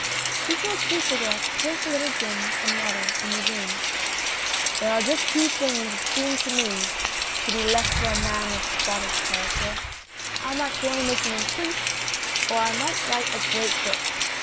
[He smokes two cigarettes, drinks a little gin and water, and resumes :] There are just two things that seem to me to be left for a man of spotted character. I might join a mission, and preach ; or I might write a great book.